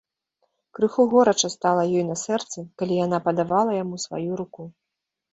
Крыху горача стала ёй на сэрцы, калі яна падавала яму сваю руку.